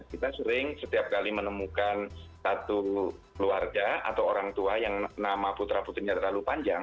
kita sering setiap kali menemukan satu keluarga atau orang tua yang nama putra putrinya terlalu panjang